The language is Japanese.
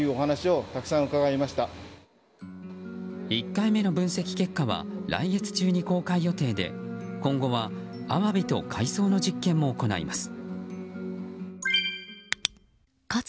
１回目の分析結果は来月中に公開予定で今後はアワビと海藻の実験も行います。